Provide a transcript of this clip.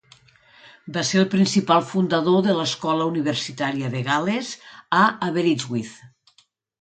Va ser el principal fundador de l'escola universitari de Gal·les a Aberystwyth.